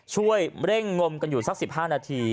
ช่วยเร่งงมกันอยู่สัก๑๕นาที